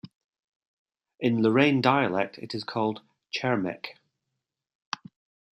In Lorraine dialect it is called "Chermec".